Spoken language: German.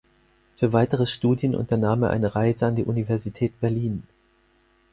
Für weitere Studien unternahm er eine Reise an die Universität Berlin.